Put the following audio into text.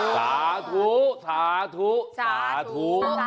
สาธุสาธุสาธุ